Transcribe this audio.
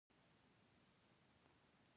کله چې بزګر او بڼوال به بلابترې وړې.